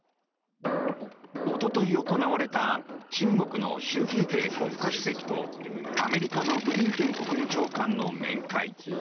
一昨日行われた中国の習近平国家主席とアメリカのブリンケン国務長官の面会。